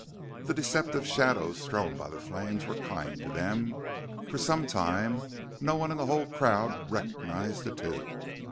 The deceptive shadows thrown by the flames were kind to them; for some time no one in the whole crowd recognized the two.